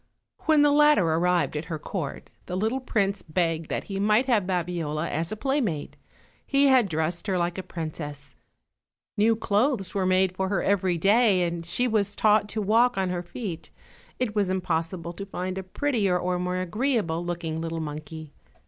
When the latter arrived at her court the little prince begged that he might have Babiola as a playmate. He had her dressed like a princess; new clothes were made for her every day, and she was taught to walk on her feet; it was impossible to find a prettier or more agree able looking little monkey.